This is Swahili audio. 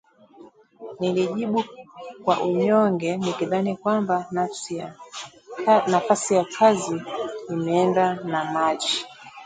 Nilijibu kwa unyonge nikidhani kwamba nafasi ya kazi imeenda na maji